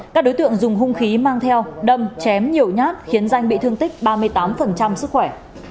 các đối tượng dùng hung khí mang theo đâm chém nhiều nhát khiến danh bị thương tích ba mươi tám sức khỏe